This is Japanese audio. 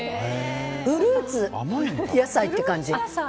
フルーツ野菜っていう感じ。